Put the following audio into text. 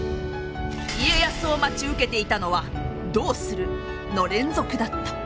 家康を待ち受けていたのは「どうする？」の連続だった。